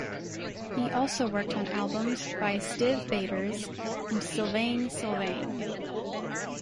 He also worked on albums by Stiv Bators and Sylvain Sylvain.